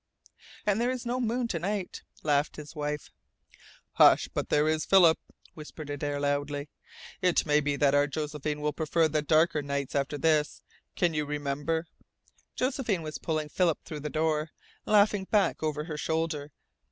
"And there is no moon to night," laughed his wife. "Hush but there is Philip!" whispered Adare loudly. "It may be that our Josephine will prefer the darker nights after this. Can you remember " Josephine was pulling Philip through the door, laughing back over her shoulder.